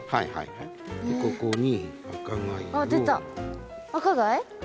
ここに赤貝を。